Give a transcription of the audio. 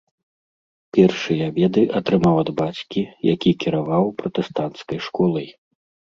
Першыя веды атрымаў ад бацькі, які кіраваў пратэстанцкай школай.